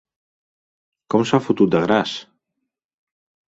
Com s'ha fotut de gras!